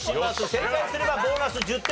正解すればボーナス１０点入ります。